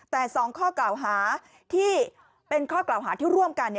แต่๒ข้อกล่าวหาที่เป็นข้อกล่าวหาที่ร่วมกัน